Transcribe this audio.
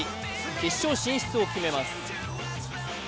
決勝進出を決めます。